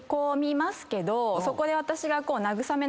そこで私が。